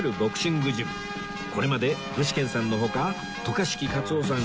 これまで具志堅さんの他渡嘉敷勝男さん